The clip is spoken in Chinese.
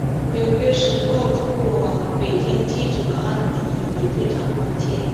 纽约时报驻北京记者安迪也非常关切。